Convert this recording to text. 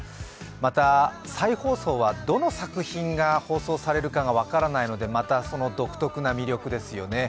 また再放送はどの作品が放送されるかが分からないのでまたその独特な魅力ですよね。